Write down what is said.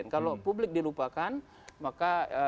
kalau publik dilupakan maka